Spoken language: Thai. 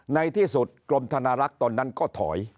ในที่สุดกรมธนารักษ์ตอนนั้นก็ถอย